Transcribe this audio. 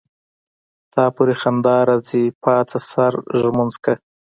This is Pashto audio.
تا پوری خندا راځي پاڅه سر ګمنځ کړه.